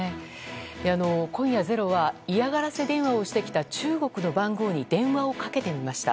今夜、「ｚｅｒｏ」は嫌がらせ電話をしてきた中国の番号に電話をかけてみました。